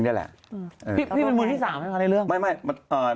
พี่เป็นมือที่สามใช่ไหมคะในเรื่อง